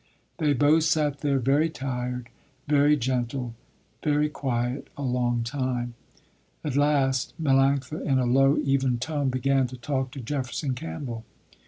They both sat there very tired, very gentle, very quiet, a long time. At last Melanctha in a low, even tone began to talk to Jefferson Campbell.